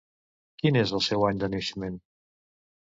Quin és el seu any de naixement?